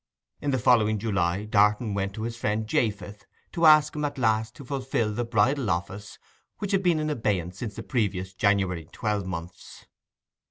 In the following July, Darton went to his friend Japheth to ask him at last to fulfil the bridal office which had been in abeyance since the previous January twelvemonths.